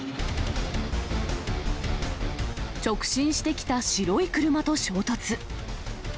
直進してきた白い車と衝突。